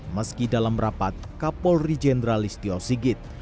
meski dalam rapat kapolri jendralist tio sigit